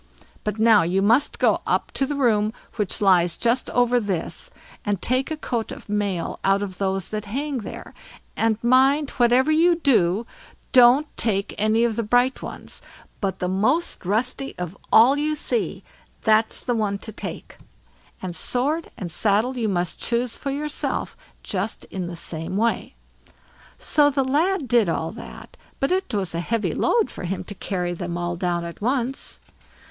But now you must go up to the room which lies just over this, and take a coat of mail out of those that hang there; and mind, whatever you do, don't take any of the bright ones, but the most rusty of all you see, that's the one to take; and sword and saddle you must choose for yourself just in the same way." So the lad did all that; but it was a heavy load for him to carry them all down at once.